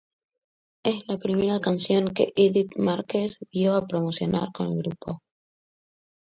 Es la primera canción que Edith Márquez dio a promocionar con el grupo.